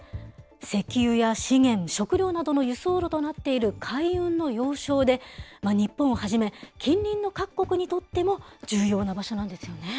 石油や資源、食料などの輸送路となっている海運の要衝で、日本をはじめ、近隣の各国にとっても重要な場所なんですよね。